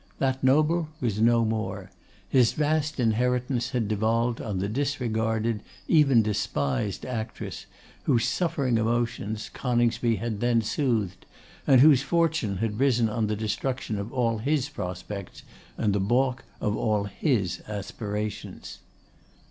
That noble was no more; his vast inheritance had devolved on the disregarded, even despised actress, whose suffering emotions Coningsby had then soothed, and whose fortune had risen on the destruction of all his prospects, and the balk of all his aspirations.